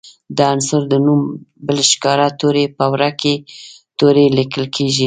د عنصر د نوم بل ښکاره توری په وړوکي توري لیکل کیږي.